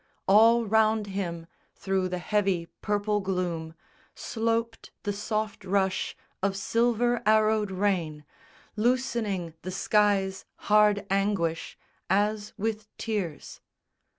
All round him through the heavy purple gloom Sloped the soft rush of silver arrowed rain, Loosening the skies' hard anguish, as with tears.